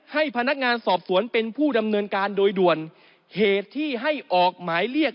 ให้พนักงานสอบสวนเป็นผู้ดำเนินการโดยด่วนเหตุที่ให้ออกหมายเรียก